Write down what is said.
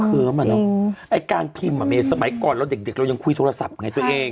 อืมจริงก็เคิ้มอะเนอะไอ้การพิมพ์อะมีสมัยก่อนแล้วเด็กเรายังคุยโทรศัพท์ไงตัวเอง